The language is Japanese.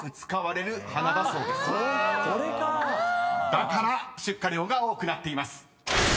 ［だから出荷量が多くなっています］